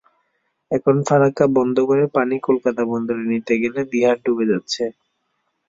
এখন ফারাক্কা বন্ধ করে পানি কলকাতা বন্দরে নিতে গেলে বিহার ডুবে যাচ্ছে।